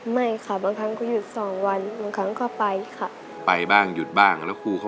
ไม่ค่ะบางครั้งก็หยุดสองวันบางครั้งก็ไปค่ะ